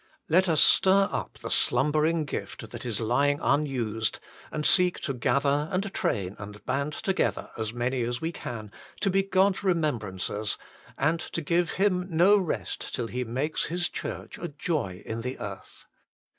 Let us stir up the slumbering gift that is lying unused, and seek to gather and train and band together as many as we can, to be God s remembrancers, and to give Him no rest till He makes His Church a joy in the earth.